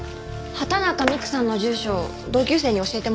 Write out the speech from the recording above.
畑中美玖さんの住所同級生に教えてもらいました。